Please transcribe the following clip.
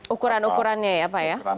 ukuran ukurannya ya pak ya